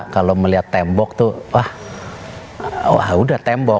kalau melihat tembok tuh wah udah tembok